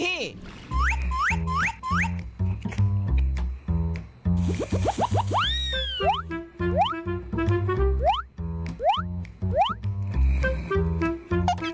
ฮู่